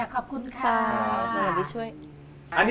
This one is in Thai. ของคุณยายถ้วน